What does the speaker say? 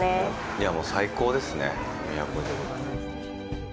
いや、もう最高ですね、宮古島。